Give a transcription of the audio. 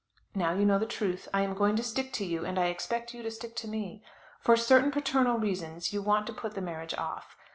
Now, you know the truth. I'm going to stick to you, and I expect you to stick to me. For certain paternal reasons you want to put the marriage off.